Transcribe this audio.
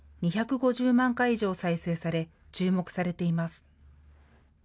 ２５０万回以上再生され、注目されています。